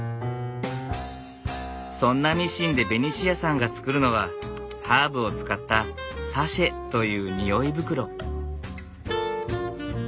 そんなミシンでベニシアさんが作るのはハーブを使ったサシェという匂い袋。